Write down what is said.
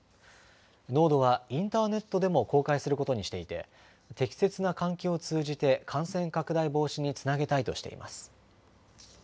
濃度はインターネットでも公開することにしていて、適切な換気を通じて感染拡大防止につなげたいとしています。